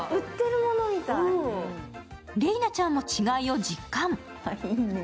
麗奈ちゃんも違いを実感。